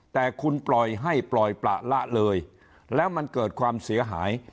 แต่คุณปล่อยให้ปล่อยประละเลยแล้วมันเกิดความเสียหาย